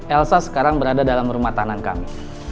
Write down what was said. elsa sekarang berada dalam rumah tanam kami